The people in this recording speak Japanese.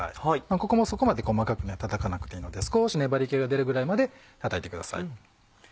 ここもそこまで細かくたたかなくていいので少し粘り気が出るぐらいまでたたいてください。